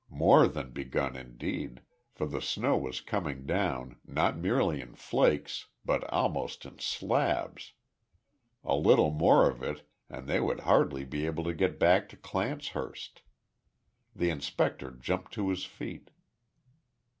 More than begun indeed, for the snow was coming down, not merely in flakes, but almost in slabs. A little more of it and they would hardly be able to get back to Clancehurst. The Inspector jumped to his feet.